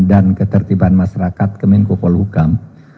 dan ketertiban masyarakat kemenkopol hukam